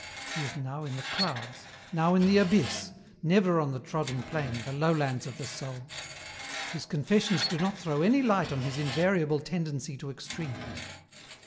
He is now in the clouds, now in the abyss, never on the trodden plain, the lowlands of the soul. His confessions do not throw any light on his invariable tendency to extremes.